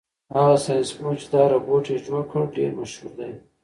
هغه ساینس پوه چې دا روبوټ یې جوړ کړ ډېر مشهور دی.